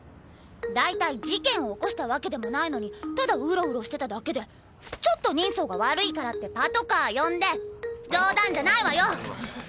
大体事件を起こした訳でもないのにただウロウロしてただけでちょっと人相が悪いからってパトカー呼んで冗談じゃないわよ！